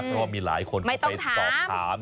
เพราะว่ามีหลายคนเข้าไปสอบถาม